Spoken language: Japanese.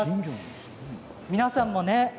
皆さんもね